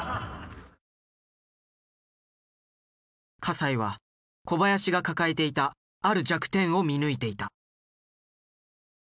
西は小林が抱えていたある弱点を見抜いていた。